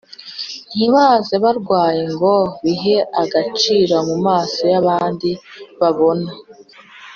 Ntibaze barwana Ngo bihe agaciro Mu maso y’abandi babona,